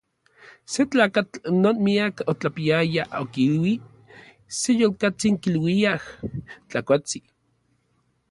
Se tlakatl non miak otlapiaya okilui se yolkatsin kiluiaj Tlakuatsin.